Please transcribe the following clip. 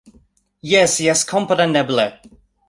- Jes, jes kompreneble